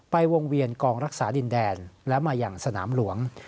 วงเวียนกองรักษาดินแดนและมาอย่างสนามหลวง